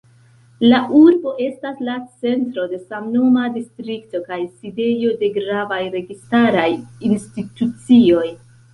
La urbo estas la centro de samnoma distrikto, kaj sidejo de gravaj registaraj institucioj.